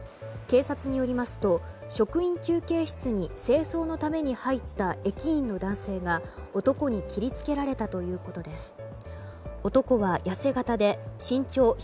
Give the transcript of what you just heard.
警察によりますと職員休憩室に清掃のために入った駅員の男性が男に切りつけられたということです。